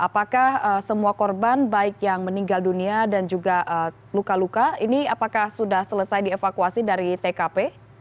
apakah semua korban baik yang meninggal dunia dan juga luka luka ini apakah sudah selesai dievakuasi dari tkp